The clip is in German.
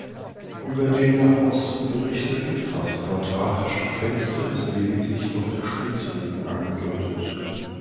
Über dem nach Osten gerichteten, fast quadratischen Fenster ist lediglich noch der Spitzbogen angedeutet.